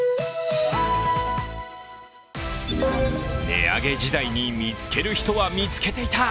値上げ時代に見つける人は見つけていた。